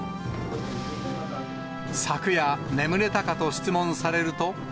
昨夜、眠れたかと質問されると。